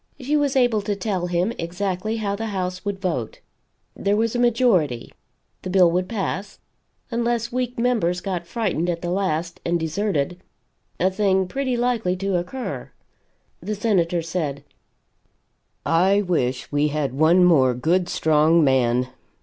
She was able to tell him exactly how the House would vote. There was a majority the bill would pass, unless weak members got frightened at the last, and deserted a thing pretty likely to occur. The Senator said: "I wish we had one more good strong man.